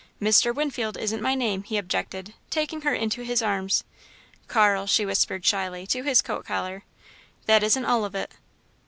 "Mr. Winfield isn't my name," he objected, taking her into his arms. "Carl," she whispered shyly, to his coat collar. "That isn't all of it."